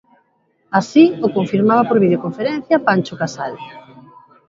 Así o confirmaba por videoconferencia Pancho Casal.